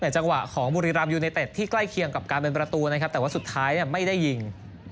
จังหวะของบุรีรัมยูเนเต็ดที่ใกล้เคียงกับการเป็นประตูนะครับแต่ว่าสุดท้ายไม่ได้ยิง